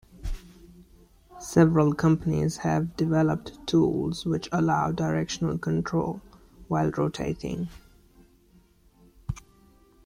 Several companies have developed tools which allow directional control while rotating.